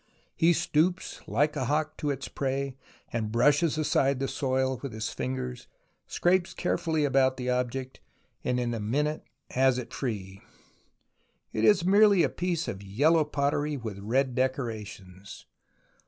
He stoops like a hawk to its prey and brushes aside the soil with his fingers, scrapes carefully about the object, and in a minute has it free. It is merely a piece of yellow pottery with red decorations.